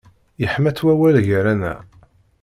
Yeḥma-tt wawal gar-aneɣ.